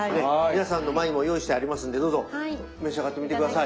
皆さんの前にも用意してありますんでどうぞ召し上がってみて下さい。